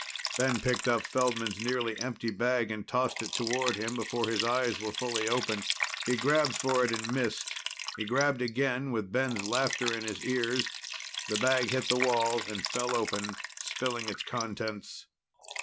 Ben picked up Feldman's nearly empty bag and tossed it toward him, before his eyes were fully open. He grabbed for it and missed. He grabbed again, with Ben's laughter in his ears. The bag hit the wall and fell open, spilling its contents.